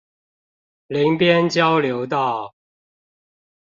林邊交流道